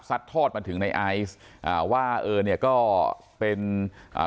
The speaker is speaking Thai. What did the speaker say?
ทอดมาถึงในไอซ์อ่าว่าเออเนี้ยก็เป็นอ่า